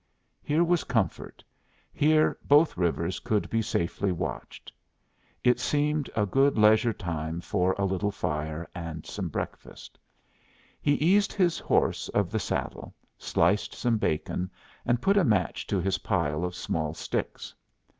Here was comfort; here both rivers could be safely watched. It seemed a good leisure time for a little fire and some breakfast. He eased his horse of the saddle, sliced some bacon, and put a match to his pile of small sticks.